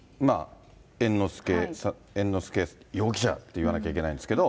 猿之助容疑者と言わなきゃいけないんですけど。